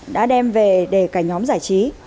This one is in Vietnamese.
đã đem về để cả nhóm giải trí